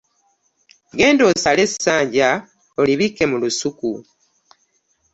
Genda osale essanja olibikke mu lusuku